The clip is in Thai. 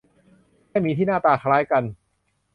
แค่หมีที่หน้าคล้ายกัน